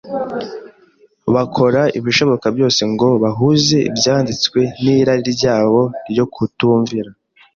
bakora ibishoboka byose ngo bahuze Ibyanditswe n’irari ryabo ryo kutumvira.